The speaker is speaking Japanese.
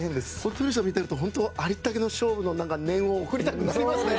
闘莉王さんを見ているとありったけの勝負の念を送りたくなりますね。